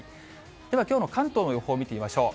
ではきょうの関東の予報を見てみましょう。